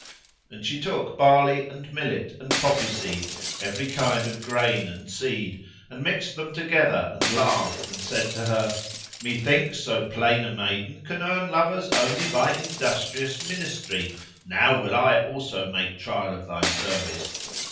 And she took barley and millet and poppy seed, every kind of grain and seed, and mixed them together, and laughed, and said to her: "Methinks so plain a maiden can earn lovers only by industrious ministry: now will I also make trial of thy service.